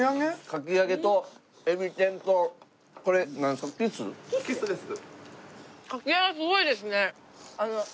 かき揚げすごいですね。